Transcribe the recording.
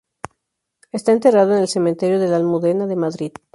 Está enterrado en el cementerio de la Almudena de Madrid.